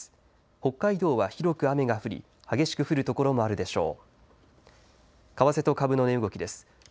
北海道は広く雨が降り激しく降る所もあるでしょう。